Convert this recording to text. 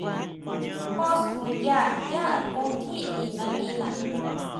Jó skuya yá akón tjín i nanguina.